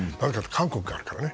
韓国があるからね。